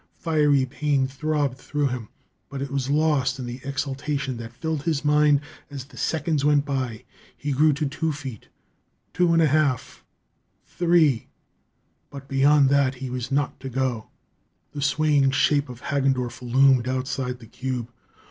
Fiery pain throbbed through him, but it was lost in the exultation that filled his mind as the seconds went by. He grew to two feet, two and a half three. But beyond that he was not to go. The swaying shape of Hagendorff loomed outside the cube.